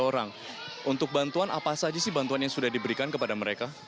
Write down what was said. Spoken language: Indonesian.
dua orang untuk bantuan apa saja sih bantuan yang sudah diberikan kepada mereka